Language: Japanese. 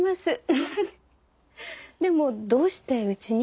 でもどうしてうちに？